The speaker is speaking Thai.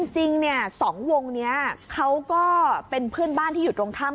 จริงเนี้ยสองวงเนี้ยเขาก็เป็นเพื่อนบ้านที่อยู่ตรงข้ามกัน